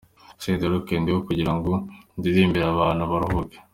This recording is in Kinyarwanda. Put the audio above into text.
Senderi: Ok! Ndiho kugira ngo ndirimbire abantu baruhuke.